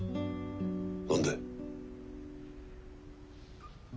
何で。